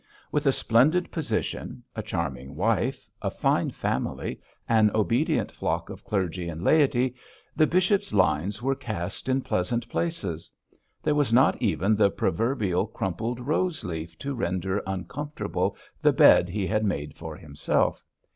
With a splendid position, a charming wife, a fine family, an obedient flock of clergy and laity, the bishop's lines were cast in pleasant places. There was not even the proverbial crumpled rose leaf to render uncomfortable the bed he had made for himself.